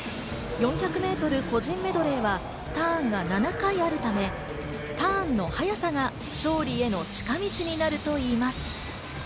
４００ｍ個人メドレーはターンが７回あるため、ターンの速さが勝利への近道になるといいます。